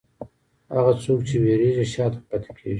هغه څوک چې وېرېږي، شا ته پاتې کېږي.